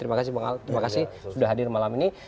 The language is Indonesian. terima kasih bang al terima kasih sudah hadir malam ini